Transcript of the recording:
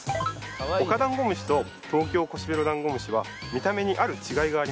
オカダンゴムシとトウキョウコシビロダンゴムシは見た目にある違いがあります。